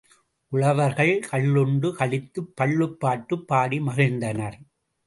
உழவர்கள் கள்ளுண்டு களித்துப் பள்ளுப் பாட்டுப் பாடி மகிழ்ந்தனர்.